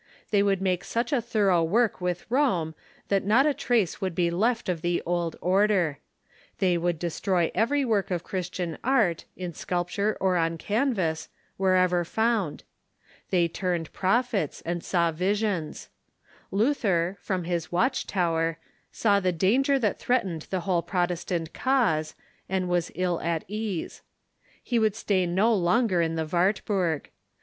They would make such a thorough work with Rome that not a trace would be left of the old order. They would destroy every work of Christian art, in sculpture or on canvas, wher ever found. They turned prophets, and saw visions. Luther, from his watch tower, saw the danger that threatened the whole Protestant cause, and was ill at ease. He could stay no longer in the Wartburg.